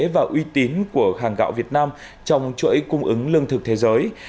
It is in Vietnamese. và uy tín của hàng gạo việt nam trong chuỗi cung ứng lương thực thế giới